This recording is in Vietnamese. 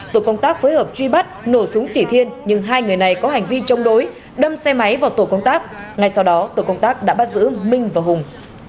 tổ công tác phối hợp truy bắt nổ súng chỉ thiên nhưng hai người này có hành vi chống đối đâm xe máy vào tổ công tác ngay sau đó tổ công tác đã bắt giữ minh và hùng